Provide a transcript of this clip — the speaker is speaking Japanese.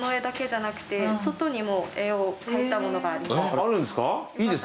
あるんですか。